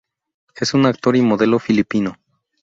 Es un actor y modelo filipino.